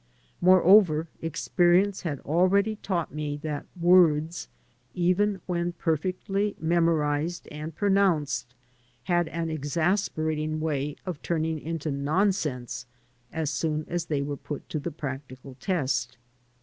Moreover, experience had already taught me that words, even when perfectly memorized and pronounced, had an exasperating way of turning into nonsense as soon as they were put to the practical test.